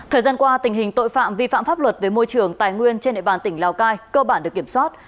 thời gian qua tình hình tội phạm vi phạm pháp luật về môi trường tài nguyên trên địa bàn tỉnh lào cai cơ bản được kiểm soát